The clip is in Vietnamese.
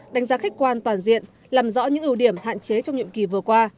đánh giá khách quan toàn diện làm rõ những ưu điểm hạn chế trong nhiệm kỳ vừa qua